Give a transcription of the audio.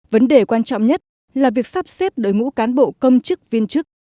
vấn đề quan trọng nhất là việc sắp xếp đội ngũ cán bộ công chức viên chức